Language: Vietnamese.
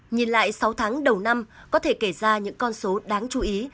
nhìn lại sáu tháng đầu năm có thể kể ra những con số đáng chú ý